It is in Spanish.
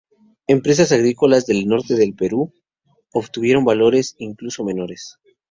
Empresas agrícolas del norte del Perú obtuvieron valores incluso menores.